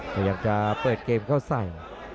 พยายามจะเปิดเกมเข้าใส่